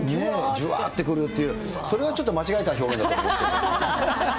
じゅわーってくるっていう、それはちょっと間違えた表現だったと。